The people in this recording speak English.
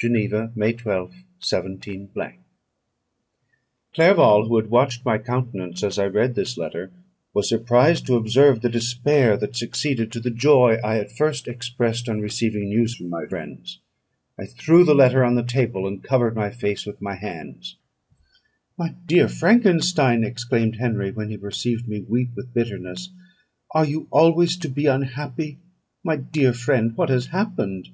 "Geneva, May 12th, 17 ."Clerval, who had watched my countenance as I read this letter, was surprised to observe the despair that succeeded to the joy I at first expressed on receiving news from my friends. I threw the letter on the table, and covered my face with my hands. "My dear Frankenstein," exclaimed Henry, when he perceived me weep with bitterness, "are you always to be unhappy? My dear friend, what has happened?"